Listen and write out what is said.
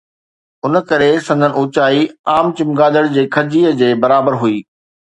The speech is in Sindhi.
ان ڪري سندن اوچائي عام چمگادڙ جي کجيءَ جي برابر هئي